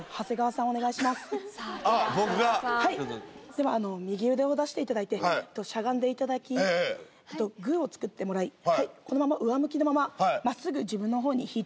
では右腕を出していただいてしゃがんでいただきグを作ってもらいこのまま上向きのまま真っすぐ自分の方に引いてください。